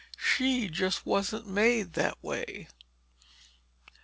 She just wasn't made that way.